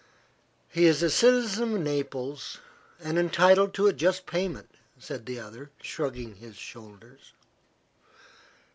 "He is a citizen of Naples, and entitled to a just payment," said the other, shrugging his shoulders.